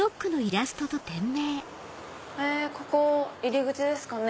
へぇここ入り口ですかね。